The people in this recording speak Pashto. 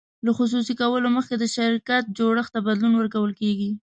له خصوصي کولو مخکې د شرکت جوړښت ته بدلون ورکول کیږي.